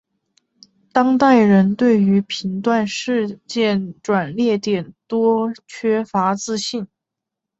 当代人对于评断事件转捩点多缺乏自信。